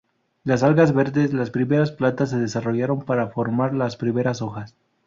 Las algas verdes, las primeras plantas, se desarrollaron para formar las primeras hojas.